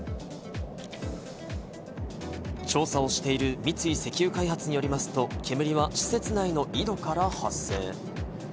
調査をしている三井石油開発によりますと、煙は施設内の井戸から発生。